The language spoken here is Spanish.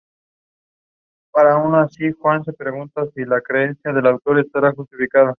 El rey baila con Ana Bolena.